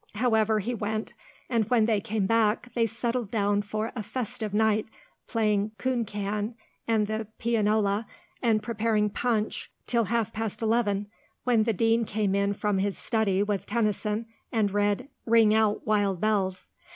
However, he went, and when they came back they settled down for a festive night, playing coon can and the pianola, and preparing punch, till half past eleven, when the Dean came in from his study with Tennyson, and read "Ring out, wild bells."